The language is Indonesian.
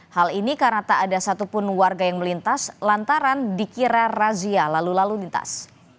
hal ini karena tak ada satupun warga yang melintas lantaran dikira razia lalu lalu lintas